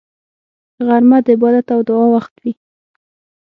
غرمه د عبادت او دعا وخت وي